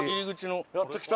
やっと来た。